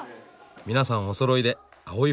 皆さんおそろいで青い服。